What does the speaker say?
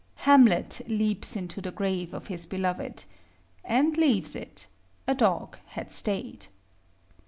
Hamlet leaps into the grave of his beloved, and leaves it, a dog had stayed.